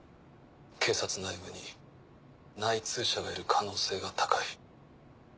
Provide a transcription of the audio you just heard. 警察内部に内通者がいる可能性が高い。